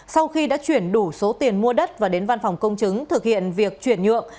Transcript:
sau khi đã chuyển đủ số tiền mua đất và đến văn phòng công chứng thực hiện việc chuyển nhượng